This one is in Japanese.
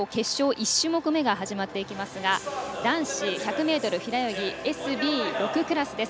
１種目めが始まっていきますが男子１００ｍ平泳ぎＳＢ６クラスです。